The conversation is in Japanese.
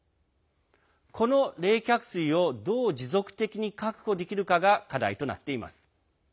この冷却水をどう持続的に確保できるかが課題となっています。